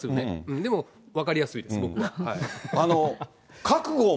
でも、分かりやすいですよね。